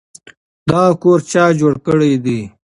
دغه کور چا جوړ کړی دی؟